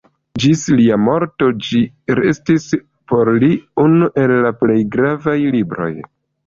Ĝis lia morto ĝi restis por li unu el la plej gravaj libroj.